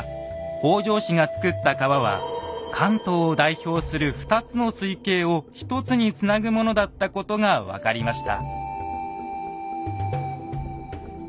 北条氏が造った川は関東を代表する２つの水系を１つにつなぐものだったことが分かりました。